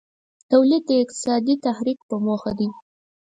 تولید د اقتصادي تحرک په موخه دی.